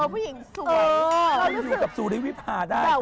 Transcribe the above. คุณอยู่กับสุริยวิพาได้ค่ะ